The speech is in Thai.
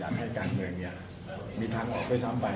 มันอยากให้การเงินเนี่ยมีทางออกไปทำบ่าย